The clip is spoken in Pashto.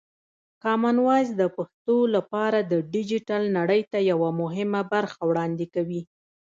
کامن وایس د پښتو لپاره د ډیجیټل نړۍ ته یوه مهمه برخه وړاندې کوي.